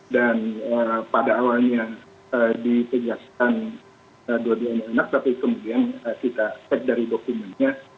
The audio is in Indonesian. dan pada awalnya dikejaskan dua dua anak tapi kemudian kita cek dari dokumennya